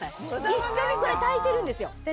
一緒にこれ炊いてるんですよ。